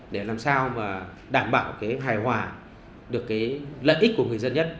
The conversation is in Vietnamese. để làm sao mà đảm bảo cái hài hòa được cái lợi ích của người dân nhất